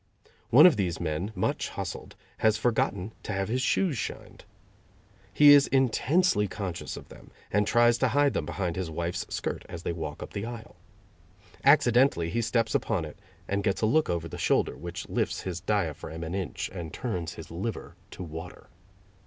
One of these men, much hustled, has forgotten to have his shoes shined. He is intensely conscious of them, and tries to hide them behind his wife's skirt as they walk up the aisle. Accidentally he steps upon it, and gets a look over the shoulder which lifts his diaphragm an inch and turns his liver to water.